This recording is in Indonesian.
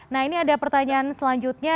nah ini ada pertanyaan selanjutnya